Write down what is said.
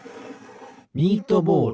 ミートボール。